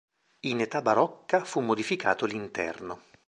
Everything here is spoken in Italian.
In età barocca fu modificato l'interno.